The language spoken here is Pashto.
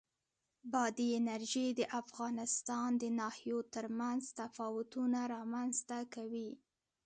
بادي انرژي د افغانستان د ناحیو ترمنځ تفاوتونه رامنځ ته کوي.